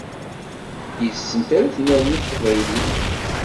Yes-sent ara tennerni teqbaylit.